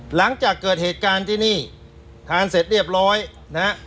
หลังจากเกิดเหตุการณ์ที่นี่ทานเสร็จเรียบร้อยนะฮะ